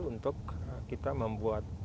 untuk kita membuat